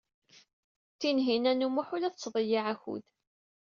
Tinhinan u Muḥ ur la tettḍeyyiɛ akud.